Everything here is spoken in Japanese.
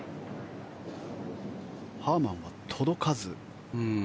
ハーマンは届かず。